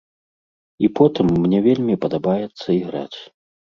І потым мне вельмі падабаецца іграць.